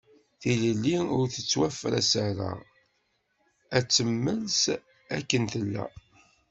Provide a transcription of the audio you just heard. Tilelli ur tettwafras ara, ad temmels akken tella.